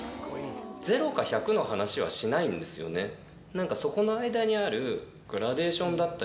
何かそこの間にある。